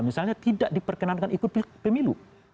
misalnya tidak diperkenankan ikut pemilu